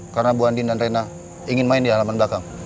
karena bu andin dan reina ingin main di halaman belakang